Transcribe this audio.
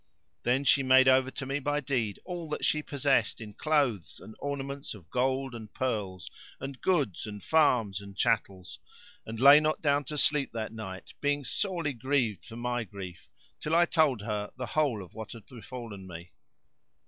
Then she made over to me by deed all that she possessed in clothes and ornaments of gold and pearls, and goods and farms and chattels, and lay not down to sleep that night, being sorely grieved for my grief, till I told her the whole of what had befallen me.